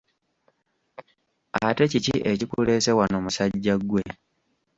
Ate kiki ekikuleese wano, musajja ggwe?